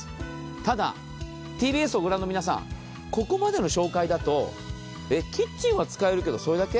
ただ、ＴＢＳを御覧の皆さん、ここまでの紹介だとキッチンは使えるけどそれだけ？